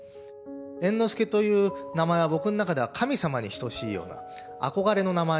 猿之助という名前は僕の中では神様に等しいような、憧れの名前。